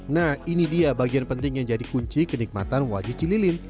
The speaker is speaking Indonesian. nah ini dia bagian penting yang jadi kunci kenikmatan wajib cililin